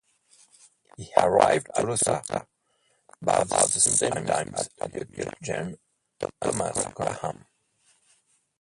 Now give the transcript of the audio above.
He arrived at Tolosa about the same time as Lieut-Gen Thomas Graham.